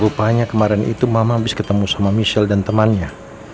rupanya kemarin itu mama habis ketemu sama michelle dan temannya